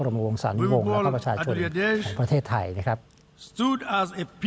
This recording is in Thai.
ขอบคุณครับ